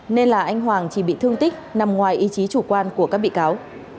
nên là anh hoàng chỉ bị thương tích nằm ngoài ý chí chủ quan của các bị cáo